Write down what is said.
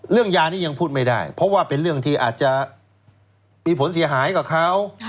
ยานี้ยังพูดไม่ได้เพราะว่าเป็นเรื่องที่อาจจะมีผลเสียหายกับเขา